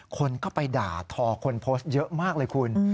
คนก็ไปด่าทอคนโพสต์เยอะมากเลยคุณ